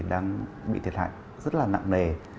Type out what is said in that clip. đang bị thiệt hại rất là nặng nề